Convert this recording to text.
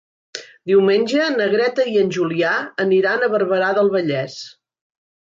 Diumenge na Greta i en Julià aniran a Barberà del Vallès.